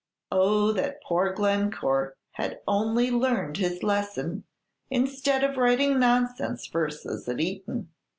Oh that poor Glencore had only learned this lesson, instead of writing nonsense verses at Eton!